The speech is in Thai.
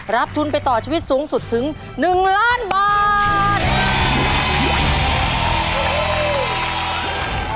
รับทุนไปต่อชีวิตสูงสุดถึง๑ล้านบาท